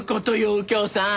右京さん。